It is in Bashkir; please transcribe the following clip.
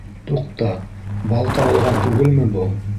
Туҡта... балта алған түгелме был?